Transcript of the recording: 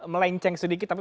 melenceng sedikit tapi